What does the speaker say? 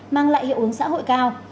mang lại hiệu ứng xã hội cao